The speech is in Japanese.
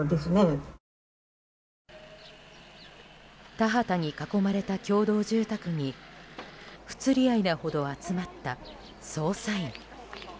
田畑に囲まれた共同住宅に不釣り合いなほど集まった捜査員。